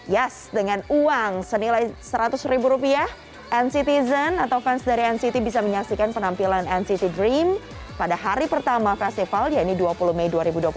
yes dengan uang senilai seratus ribu rupiah nctzen atau fans dari nct bisa menyaksikan penampilan nct dream pada hari pertama festival yaitu dua puluh mei dua ribu dua puluh tiga